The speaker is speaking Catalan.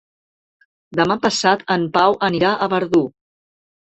Demà passat en Pau anirà a Verdú.